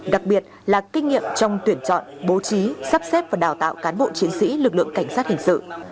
đặc biệt là kinh nghiệm trong tuyển chọn bố trí sắp xếp và đào tạo cán bộ chiến sĩ lực lượng cảnh sát hình sự